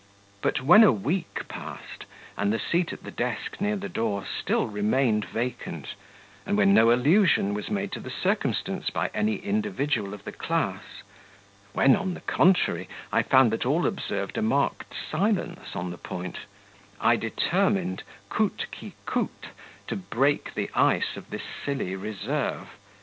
But when a week passed and the seat at the desk near the door still remained vacant, and when no allusion was made to the circumstance by any individual of the class when, on the contrary, I found that all observed a marked silence on the point I determined, COUTE QUI COUTE, to break the ice of this silly reserve.